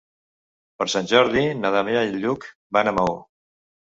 Per Sant Jordi na Damià i en Lluc van a Maó.